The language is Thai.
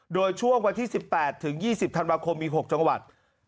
โดยช่วงวันที่๑๘ถึง๒๐ธันวาคมมี๖จังหวัด